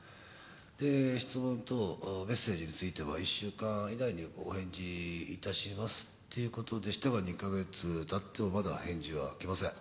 で、質問とメッセージについては１週間以内にお返事いたしますっていうことでしたが、２か月たってもまだ返事は来ません。